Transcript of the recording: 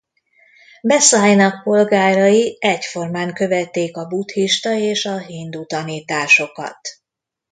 Mesz Ajnak polgárai egyformán követték a buddhista és a hindu tanításokat.